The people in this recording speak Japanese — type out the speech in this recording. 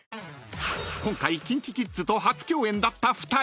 ［今回ＫｉｎＫｉＫｉｄｓと初共演だった２人］